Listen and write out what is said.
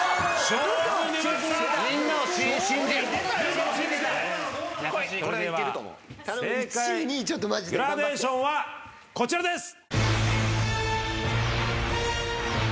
正解グラデーションはこちらです。